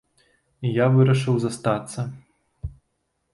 І я вырашыў застацца.